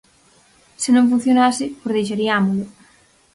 Se non funcionase, pois deixariámolo.